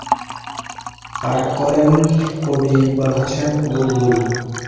এতে কবির জীবন ও সাহিত্যকর্মের বিবরণ পাঠ করেন কবি ইকবাল হোসেন বুলবুল।